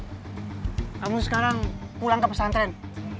kamu sekarang pulang ke pesantren